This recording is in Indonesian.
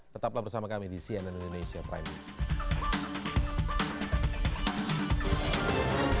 tetaplah bersama kami di cnn indonesia prime news